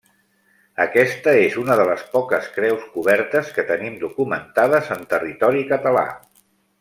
Aquesta és una de les poques creus cobertes que tenim documentades en territori català.